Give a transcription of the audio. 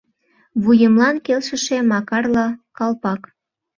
Вуемлан келшыше Макарла калпак